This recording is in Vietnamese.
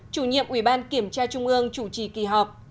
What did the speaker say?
chủ nhiệm ủy ban kiểm tra trung ương chủ trì kỳ họp